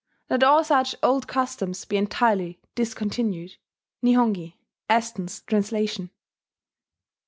Let all such old customs be entirely discontinued." Nihongi; Aston's translation.